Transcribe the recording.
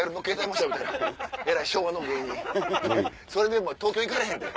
それで東京行かれへんで。